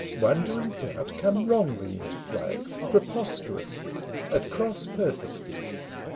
Wonder and doubt come wrongly into play, Preposterously, at cross purposes.